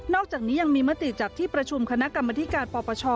อกจากนี้ยังมีมติจากที่ประชุมคณะกรรมธิการปปช